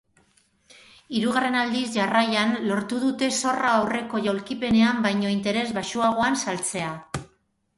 Hirugarren aldiz jarraian lortu dute zorra aurreko jaulkipenean baino interes baxuagoan saltzea.